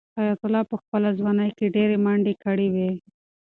حیات الله په خپله ځوانۍ کې ډېرې منډې کړې وې.